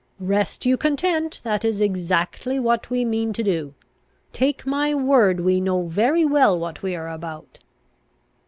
"Rest you content; that is exactly what we mean to do. Take my word, we know very well what we are about."